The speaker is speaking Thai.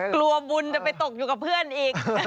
กลัวบุญจะไปตกอยู่กับเพื่อนอีก